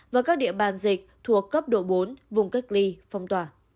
và các địa bàn dịch thuộc cấp độ bốn vùng cách ly phong tỏa